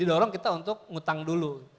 didorong kita untuk ngutang dulu